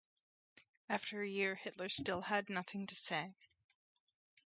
After a year Hitler still had nothing to say.